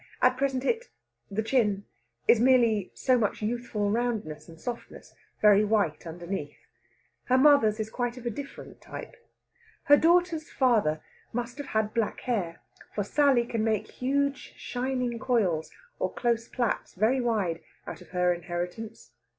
At present it the chin is merely so much youthful roundness and softness, very white underneath. Her mother is quite of a different type. Her daughter's father must have had black hair, for Sally can make huge shining coils, or close plaits, very wide, out of her inheritance.